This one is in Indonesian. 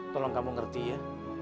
tolong kamu ngerti ya